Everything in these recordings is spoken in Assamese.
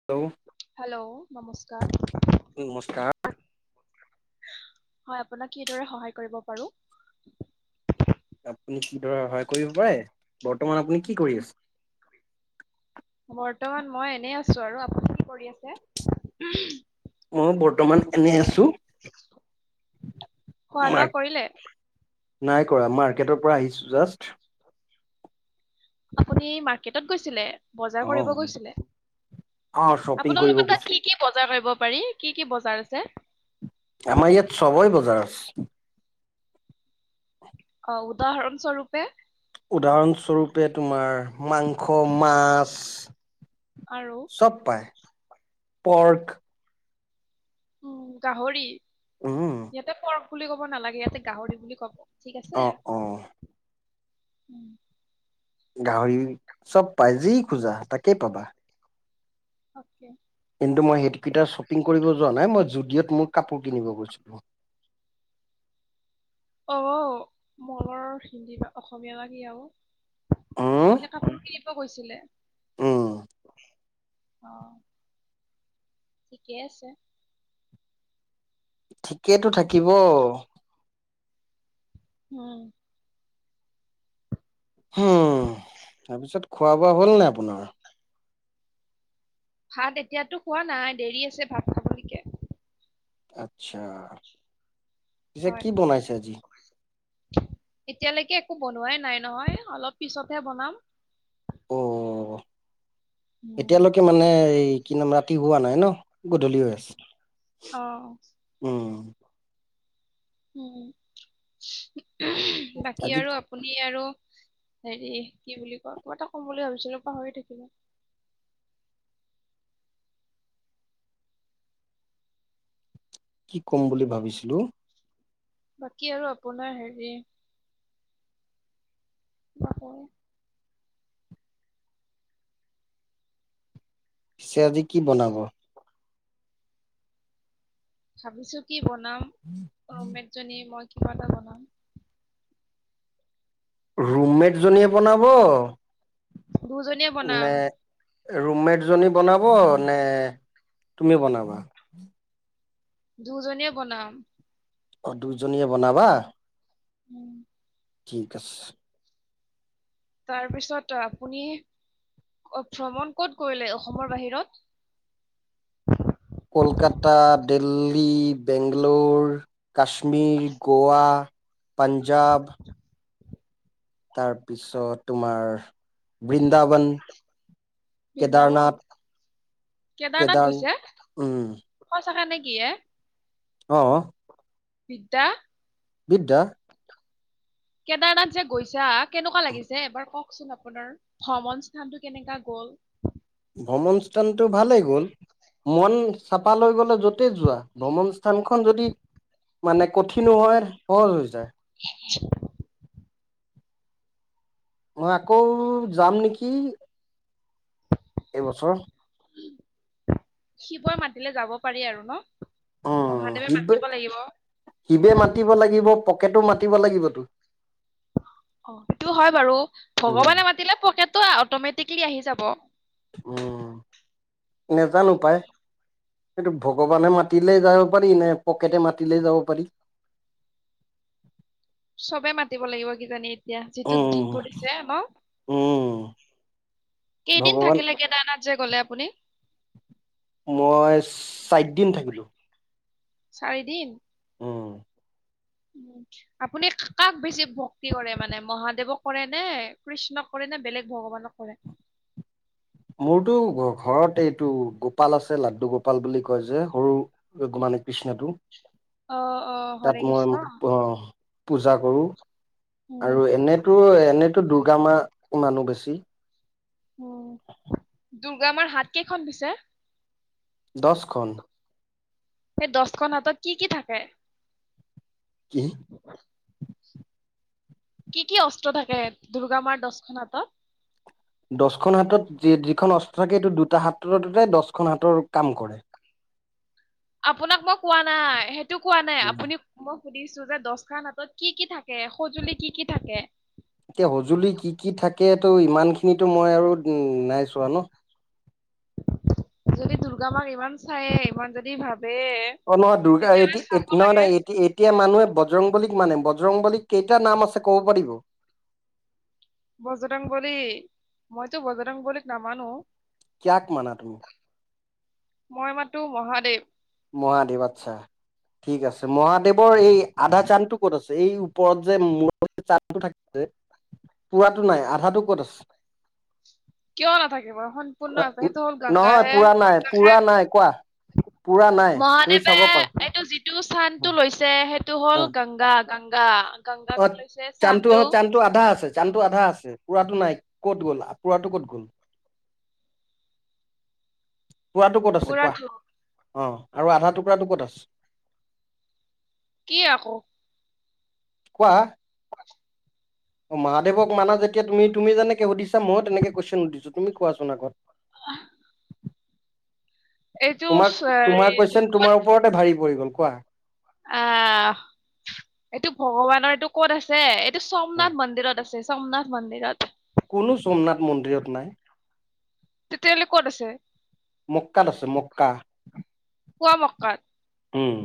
[inaudible] হেল্ল', নমস্কাৰ। নমস্কাৰ। হয়, আপোনাক কিদৰে সহায় কৰিব পাৰো? আপুনি কি দৰে সহায় কৰিব পাৰে। বৰ্তমান আপুনি কি কৰি আছে? বৰ্তমান মই এনেই আছো আৰু আপুনি কি কৰি আছে? মইয়ো বৰ্তমান এনে আছো খোৱা লোৱা মাৰ কৰিলে নাই কৰা মাৰ্কেটৰ পৰা আহিছোঁ যাষ্ট। আপুনি মাৰ্কেটত গৈছিলে বজাৰ অ কৰিব গৈছিলে। অ শ্বপিং আপালোকৰ কৰিব লোকৰ গৈছো তাত কি বজাৰ কৰিব পাৰি, কি কি বজাৰ আছে? আমাৰ ইয়াত চবৰেই বজাৰ আছে অ', উদাহৰণ স্বৰূপে উদাহৰণস্বৰূপে তোমাৰ মাংস, মাছ। আৰু চব পায় পৰ্ক। উম গাহৰি উম ইয়াতে পৰ্ক বুলি ক'ব নালাগে। ইয়াতে গাহৰি বুলি ক'ব। ঠিক অ আছে। অ উম। গাহৰি চব পাই যি খোজা তাকে পাবা। অকে। কিন্তু, মই সেইটকেইটটা শ্বপিং কৰিব যোৱা নাই মই জুডঅ'ত মোৰ কাপোৰ কিনিব গৈছিলো। অ', মলৰ হিন্দী বা অসমীয়া বা কি আৰু? উম আপুনি কাপোৰ কিনিব গৈছিলে? উম অ', ঠিকেই আছে। ঠিকেইেতো থাকিব। হয়। হম তাৰপিছত খোৱা বোৱা হ'ল নাই আপোনাৰ? ভাত এতিয়াতো খোৱা নাই দেৰি আছে ভাত খাবলৈ। আচ্ছা পিছে হয় কি বনাইছে আজি? এতিয়ালৈকে একো বনোৱাই নাই নহয় অলপ পিছতহে বনাম। অ উম এতিয়ালৈকে মানে এই কি নাম ৰাতি হোৱা নাই ন গধূলি হয় আছে। অ। উম। উম', বাকী আজি আৰু আ আপুনি আৰু হেৰি কি বুলি কয় কিবা এটা ক'ম বুলি ভাবিছিলো পাহৰি থাকিলোঁ। কি ক'ম বুলি ভাবিছিলো? বাকী আৰু আপোনাৰ হেৰি পিছে আজি কি বনাব? ভাবিছো কি বনাম, মেট জনী মই কিবা এটা বনাম। ৰুমমেট জনীয়ে বনাব দুজনীয়ে বনাম নে ৰুমমেট জনীয়ে বনাব নে তুমি বনাবা? দুজনীয়ে বনাম। অ' দুজনীয়ে বনাবা? উম। ঠিক আছে। তাৰপিছত আপুনি ভ্ৰমণ ক'ত কৰিলে অসমৰ বাহিৰত? কলকাতা, দিল্লী, বেংগালো, ৰ কাশ্মীৰ, গোৱা পাঞ্জাৱ তাৰপিছত তোমাৰ বৃন্দাবন বৃন্দাবন কেদাৰনাথ কেদাৰনাথ কেদাৰ গৈছে উম। সঁচাকে নেকি এ? অ'। বিদ্যা। বিদ্যা। কেদাৰনাথ যে গৈছা কেনেকুৱা লাগিছে এবাৰ কওঁকচোন আপোনাৰ? ভ্ৰমণস্থানটো কেনেকা গ'ল। ভ্ৰমণস্থানটো ভালেই গ'ল। মন চফা লৈ গ'লে য'তেই যোৱা ভ্ৰমণ স্থানখন যদি মানে কঠিনো হয় সহজ হৈ যায়। [inaudible] মই অকৌ যাম নেকি। এইবছৰ। শিৱই মাতিলে যাব পাৰি আৰু ন? উম মহাদেৱে শিৱে মাতিব লাগিব। শিৱে মাতিব লাগিব পকেটো মাতিব লাগিবতো। অ', সেইটো হয় বাৰু, ভগৱানে মাতিলে পকেটটো অটমেটিকেলি আহি যাব। উম, নজানো পাই। সেইটো ভগৱানে মাতিলে যাব পাৰি নে পকেটে মাতিলে যাব পাৰি। চবে মাতিব লাগিব কিজানি। দিয়া যিটোত দিন উম পৰিছে ন, উম কেইদিন ভগৱান থাকিলাগে কেদাৰনাথ যে গ'লে আপুনি? মই চাৰিদিন থাকিলোঁ। চাৰিদিন? উম। উম। আপুনি কাক বেছি ভক্তি কৰে মানে মহাদেৱক কৰে নে কৃষ্ণক কৰে নে বেলেগ ভগৱানক কৰে? মোৰতো ঘৰত এইটো গোপাল আছে লাড্ডু গোপাল বুলি কয় যে সৰু মানে কৃষ্ণটো অ অ হৰে তাত কৃষ্ণ মই আহ। পূজা কৰোঁ উম আৰু এনেতো এনেতো দুৰ্গা মা মানো বেছি। উম, দুৰ্গা মাৰ হাত কেইখন পিছে? দহখন। সেই দহখন হাতত কি কি থাকে? কি? কি কি অস্ত্ৰ থাকে দুৰ্গা মাৰ দহখন হাতত? দহখন হাতত যি যিখন অস্ত্ৰ থাকে সেইটো দুটা হাতৰ দৰে দহখন হাতৰ কাম কৰে। আপোনাক মই কোৱা নাই সেইটো কোৱা নাই উম আপুনি মই সুধিছো যে, দছটা হাটত কি কি থাকে সঁজুলি কি কি থাকে? এতিয়া সঁজুলি কি কি থাকে ত' ইমান খিনিটো মই আৰু নাইছোৱা ন। যদি দুৰ্গা মাক ইমান চাইয়ে ইমান যদি ভাবে, অ' দুৰ্গা তেতিয়াহ'লে এইটি এইট চাব নহয় লাগে নহ এইট, এতিয়া মানুহে বজৰংবলীক মানে বজৰংবলী কেইটা নাম আছে ক'ব পাৰিব? বজৰংগলী মইতো বজৰংগলীক নামানোঁ অ। কিয়াক মনা তুমি? মই মাতো মহাদেৱ। মহাদেৱ আচ্ছা ঠিক আছে মহাদেৱৰ এই - আধা চান্টো ক'ত আছে এই ওপৰত যে মূৰত চানটো থাকে যে। পোৱাটো নাই আধাটো ক'ত আছে। কিয় নাথাকে বাৰু সম্পূৰ্ণ আছে সেইটো হ'ল গংগা নহয় হে পুৰা নাই গংগা পুৰা নাই কোৱা পুৰা নাই - তুমি মহাদেৱে চাব পাৰা এইটো যিত। যিটো স্থানতটো সেইটো অ হ'ল গংগা গংগা। গংগাকে অ' লৈছে চানটো হ স্থানটো চানটো আধা আছে। চানতটো আধা আছে পুৰাতো নাই। ফুৰাটো ক'ত গ'ল পুৰাতটো ক'ত গ'ল। পোৱাটো ক'ত আছে কোৱা, পুৰাটো অ' আৰু আধা টুকুৰাটো ক'ত আছে। কি আকৌ'। কোৱা, শুনাচোন। অ' মহাদেৱক মানা যেতিয়া তুমি তুমি যেনেকে সুধিছা মই তেনেকে কুয়েশ্যন সুধিছো তুমি কোৱাচোন আগত। আহ'। তোমাক হেৰি তোমাৰ এইটো কুৱেশয়ন ক'ত তোমাৰ ওপৰতে ভাৰি পৰি গ'ল কোৱা? আহ' এইটো ভগৱানৰ এইটো ক'ত আছে এই। টো সোমনাথ মন্দিৰত আছে সোমনাথ মন্দিৰত। কোনো সোমনাথ মন্দিৰত নাই। তেতিয়াহ'লে ক'ত আছে? মক্কাাত আছে মক্কা। পুৱা মক্কাত। উম'।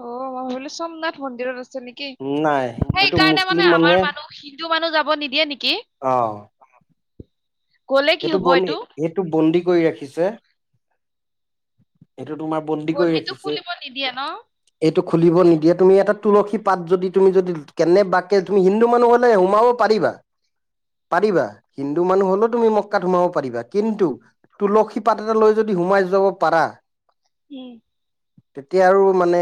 অ' মই ভাবিলোঁ সোমনাথ মন্দিৰত আছে নেকি নাই সেইটো সেইকাৰণে মুছলিম মানে আমাৰ মানুহে মানুহখিনি- টো মানুহ যাব নিদিয়ে নেকি? অঁ গ'লে কি সেইটো হব বন্দী, এইটো সেইটো বন্দী কৰি ৰাখিছে এইটো তোমাৰ- বন্দী কৰি বন্দীটো ৰাখিছে। খুলিব নিদিয়ে ন এইটো খুলিব নিদিয়ে তুমি এটা তুলসী পাত যদি তুমি যদি কেনে বাকে তুমি হিন্দু মানুহ হলে সোমাও। পাৰিবা, পাৰিবা হিন্দু মানুহ হলেও তুমি ম- মক্কাত সোমাব পাৰিবা, কিন্তু তুলসী পাত এটা লৈ যদি সোমাই যাব পাৰা, উম' তেতিয়া আৰু মানে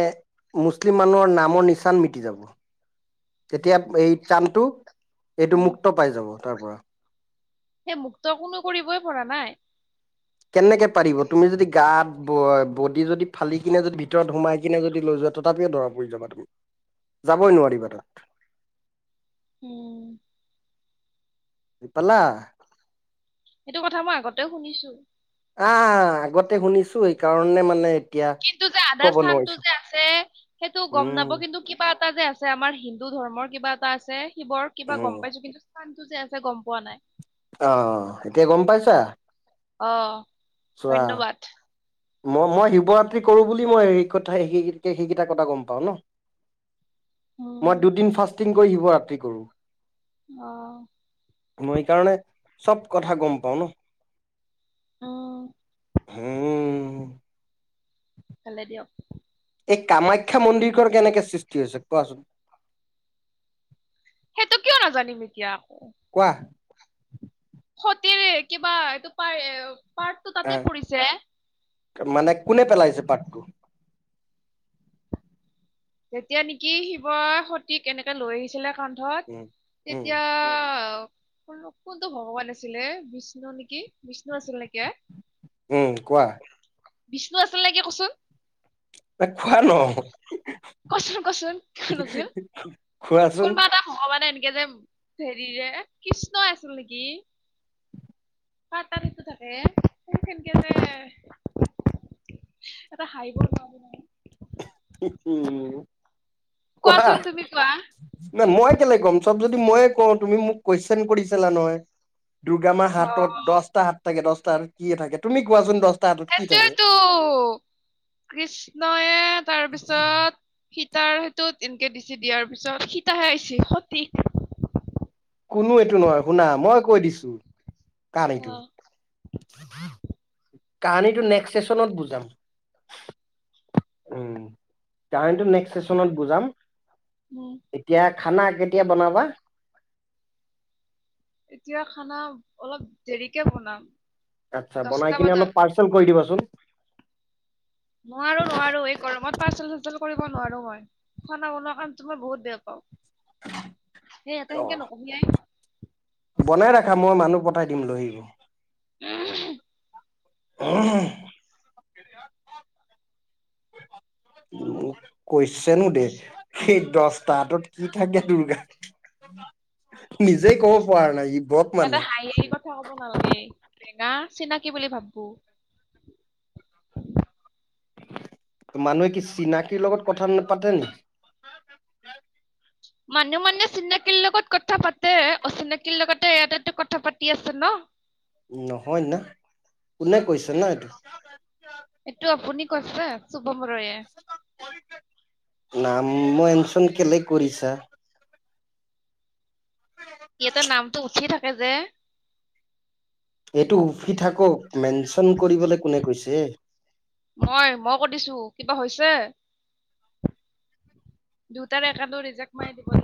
মুছলিম মানুহৰ নামৰ নিচান মিটি যাব। তেতিয়া এই চানটো এইটো উম মুক্ত পাই যাব তাৰ পৰা- সেই মুক্ত কোনোও কৰিবই পৰা নাই। কেনেকে পাৰিব তুমি যদি গাত ব বডি যদি ফালি কিনে যদি ভিতৰত সোমাই কিনে যদি লৈ যোৱা। তথাপিও ধৰা পৰি যাবা তুমি যাবই নোৱাৰিবা তাত। উম'। গম পালা। সেইটো কথা মই আগতেও শুনিছো। আহ আগতে শুনিছো এইকাৰণে মানে। এতিয়া কিন্তু যে আদা কব স্থান টো নোৱাৰিছো যে আছে সেইটো গম উম নাব কিন্তু কিবা এটা যে আছে। যে আমাৰ হিন্দু ধৰ্মৰ এটা আছে শিৱৰ কিবা গম উম পাইছো কিন্তু স্থানটো যে আছে গম পোৱা নাই। অ', এতিয়া গম পাইছা অ চোৱা। ধন্যবাদ মই শিৱৰাত্ৰি কৰোঁ বুলি মই স-সেইকেইটা কথা কথা গম পাওঁ ন। উম মই দুদিন ফাষ্টিং কৰি শিৱৰাতি কৰো। অ'। মই এইকাৰণে চব কথা গম পাওঁ ন। অ'। হম। ভালে দিয়ক। এই কামাখ্যা মন্দিৰখন কেনেকে সৃষ্টি হৈছে কোৱাচোন। সেইটো কিয় নাজানিম এতিয়া আকৌ। কোৱা। সতিৰ কিবা এইটো পাৰ পাৰ্টটো তাতে পৰিছে। মানে কোনে পেলাইছে পাতটো। তেতিয়া নেকি শিৱ সতিক এনেকে লৈ আহিছিলে কাণ উম ধত উম তেতিয়া। মোক কোনটো ভগৱান আছিলে বিষ্ণু নেকি বিষ্ণু আছিল নেকি এ। উম কোৱা। বিষ্ণু আছিল নেকি কচোন। এ কোৱা ন। কচোন কচোন কোন আছিল। উ। কোনোবা এটা ভগৱানে এনেকে যে হেৰিৰে কৃষ্ণই আছিল নেকি। পটানটো থাকে সেনকে যে এটা হাইিব নোৱাৰো। উম কোৱা। কোৱাচোন তুমি কোৱা ন মই কেলে কম চব যদি কও তুমি মোক কুৱেশন কৰিছিলা নহয়। দুৰ্গা মাহ অ হাতত দহটা হাত থাকে দহটা হাতত কি থাকে তুমি কোৱাচোন দহটা হাত কৃষ্ণয়ে তাৰ পিছত। সীতাৰ সেইো তেনকে দিছে দিয়াৰ পিছত সীতাহে আহছে সতিক। কোনো এইটো নহয় শুনা মই কৈ দিছো কাৰেক্ট।। অ কাহানীটো নেক্সট চেচনত বুজাম। উম তাৰিতো চেচনত বুজাম। উম। এতিয়া খানা কেতিয়া বনাবা। এতিয়া খানা অলপ দেৰিকে বনাম। আচ্ছা দহটা বনাই কিনে বজাত অলপ পাৰ্চেল কৰি দিবাচোন। নোৱাৰো নোৱাৰো এই গৰমত পাচল চাচল কৰিব নোৱাৰো মই। খানা বনোৱা কামটো মই বহুত বেয়া পাও সেইয়া অ সেনকে নকমিয়াই। বনাই ৰাখা মই মানুহ পঠাই দিম লৈ আহিব। উম। [unintelligible] উ কৈ চনো দে সেই দহটা হাতত কি থাকে দুৰ্গাৰ। নিজেই ক'ব পৰা নাই ই বত মানে। নালাগে চিনিকি বুলি ভাবো ত মানুহে কি চিনাকীৰ লগত কথা নাপাতে নেকি? মানুহ মানে চিনাকীৰ লগত কথা পাতে অচিনাকিৰ লগতে ইয়াতেতো কথা পাতি আছে ন [inaudible] নহয় না কোনে কৈছে না এইটো আপুনি কৈছে শুভম ৰয়ে নাম মেনচন কেলে কৰিছা। ইয়াতে নামটো উঠি থাকে যে এইটো উঠি থাকক মেনচন কৰিবলৈ কোনে কৈছে? মই মই কৈৰিছো কিবা হৈছে? দেউতাৰ একাউণ্ ৰিজেক্ট মাৰি দিব।